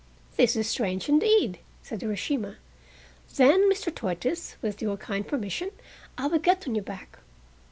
"This is strange indeed!" said Urashima; "then. Mr. Tortoise, with your kind permission I will get on your back.